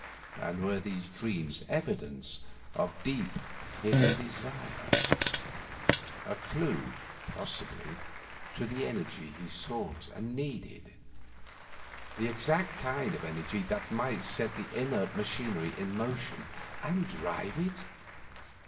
And were these dreams evidence of deep, hidden desire a clue, possibly, to the energy he sought and needed, the exact kind of energy that might set the inert machinery in motion and drive it?